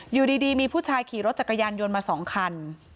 อยู่ดีมีผู้ชายขี่รถจักรยานยนต์มา๒คัน